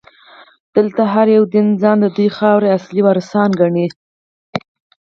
دلته هر یو دین ځان ددې خاورې اصلي وارثان ګڼي.